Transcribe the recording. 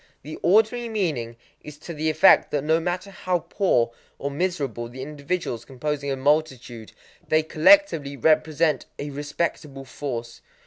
The ordinary meaning is to the effect that no matter how poor or miserable the individuals composing a multitude, they collectively represent a respectable force.